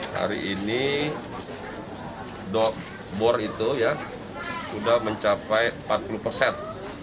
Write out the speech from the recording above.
hari ini bor itu ya sudah mencapai empat puluh persen